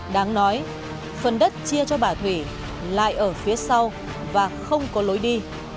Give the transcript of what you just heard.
đáng nói phần đất chia cho bà thủy lại ở phía sau và không có lối đi